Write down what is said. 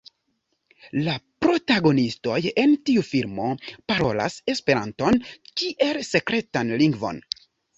La protagonistoj en tiu filmo parolas Esperanton kiel sekretan lingvon.